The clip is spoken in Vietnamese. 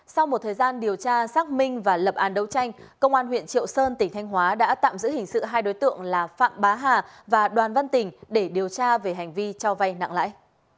sau một thời gian điều tra xác minh và lập án đấu tranh công an huyện triệu sơn tỉnh thanh hóa đã tạm giữ hình sự hai đối tượng là phạm bá hà và đoàn văn tỉnh để điều tra về hành vi cho vay nặng lãi